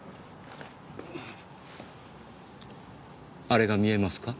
あれが見えますか？